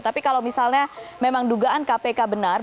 tapi kalau misalnya memang dugaan kpk benar